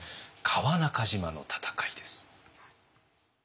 川中島の戦いです。